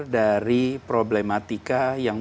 dari problematika yang